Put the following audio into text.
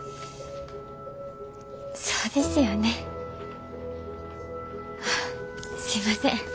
そうですよねすいません